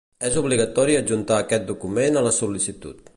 És obligatori adjuntar aquest document a la sol·licitud.